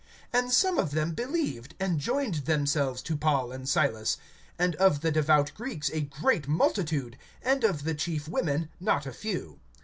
(4)And some of them believed, and joined themselves to[17:4] Paul and Silas; and of the devout Greeks a great multitude, and of the chief women not a few.